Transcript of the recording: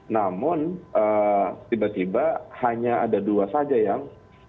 namun tiba tiba hanya ada dua saja yang